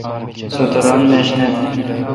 سو تہ ران میش نہ۔